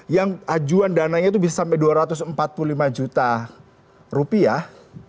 yang ajuan dananya itu bisa sampai dua ratus empat puluh lima juta rupiah